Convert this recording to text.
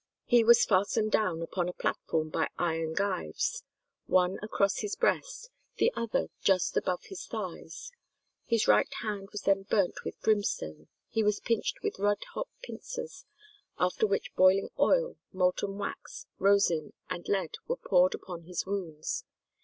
He was fastened down upon a platform by iron gyves, one across his breast, the other just above his thighs; his right hand was then burnt with brimstone, he was pinched with red hot pincers, after which boiling oil, molten wax, rosin, and lead were poured upon his wounds.